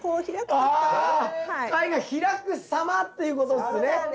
貝が開くさまっていうことですね。